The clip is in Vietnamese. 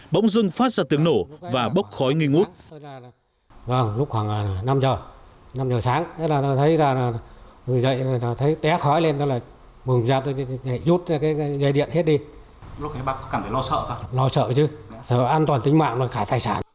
bỗng dưng phát ra tiếng nổ và bốc khói nghi ngút